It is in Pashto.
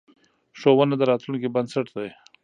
ښوونه د راتلونکې بنسټ دی.